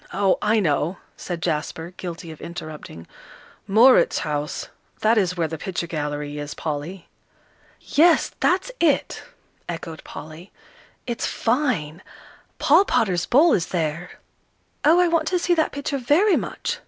Oh, I know," said Jasper, guilty of interrupting, "Mauritshuis, that is where the picture gallery is, Polly." "Yes, that's it," echoed Polly; "it's fine Paul Potter's 'Bull' is there." "Oh, I want to see that picture very much!"